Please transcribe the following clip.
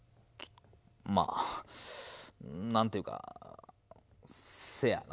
まあ、なんていうか、せやな。